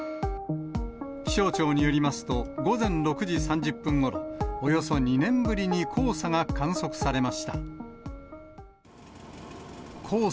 気象庁によりますと、午前６時３０分ごろ、およそ２年ぶりに黄砂が観測されました。